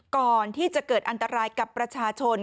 ก่อนที่จะเกิดอันตรายกับประชาชน